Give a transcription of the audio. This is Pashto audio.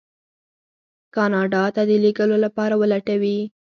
کاناډا ته د لېږلو لپاره ولټوي.